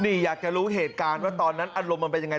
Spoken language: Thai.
นี่อยากจะรู้เหตุการณ์ว่าตอนนั้นอารมณ์มันเป็นยังไง